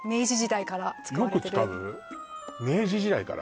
明治時代から？